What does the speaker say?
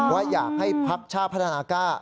ว่าอยากให้ภักดิ์ชาติพัฒนากล้า